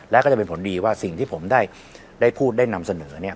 แล้วก็จะเป็นผลดีว่าสิ่งที่ผมได้พูดได้นำเสนอเนี่ย